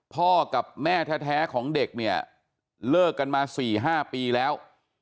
พ่อกับแม่แท้ของเด็กเนี่ยเลิกกันมา๔๕ปีแล้ว